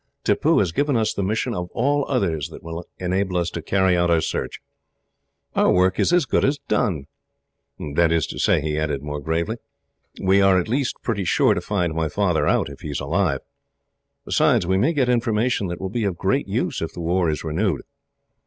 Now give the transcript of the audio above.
Tippoo has given us the mission, of all others, that will enable us to carry out our search. Our work is as good as done. "That is to say," he added, more gravely, "we are at least pretty sure to find my father out, if he is alive. Besides, we may get information that will be of great use, if the war is renewed.